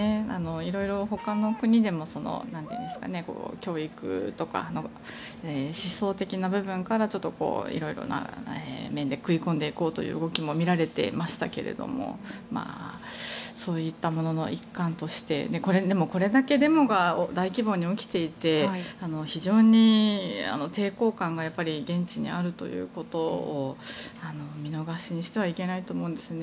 色々、ほかの国でも教育とか思想的な部分からちょっと色々な面で食い込んでいこうという動きも見られていましたけれどもそういったものの一環としてこれだけデモが大規模に起きていて非常に抵抗感が現地にあるということを見逃しにしてはいけないと思うんですね。